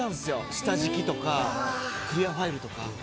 下敷きとかクリアファイルとか。